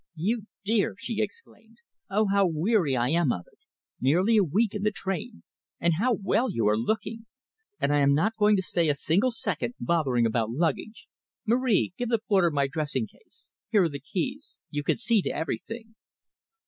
"You dear!" she exclaimed. "Oh, how weary I am of it! Nearly a week in the train! And how well you are looking! And I am not going to stay a single second bothering about luggage. Marie, give the porter my dressing case. Here are the keys. You can see to everything."